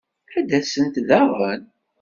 Ad d-asent daɣen?